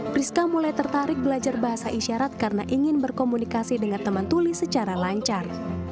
priska mulai tertarik belajar bahasa isyarat karena ingin berkomunikasi dengan teman tuli secara lancar